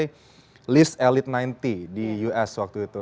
di list elit sembilan puluh di us waktu itu